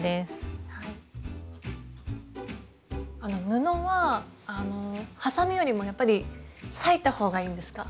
布ははさみよりもやっぱり裂いた方がいいんですか？